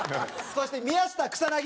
そして宮下草薙。